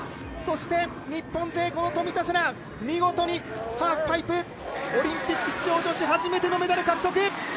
そして日本勢、冨田せな見事にハーフパイプオリンピック出場女子初めてのメダル獲得！